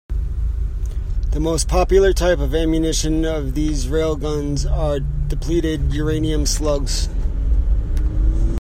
The most popular type of ammunition for these railguns are depleted uranium slugs.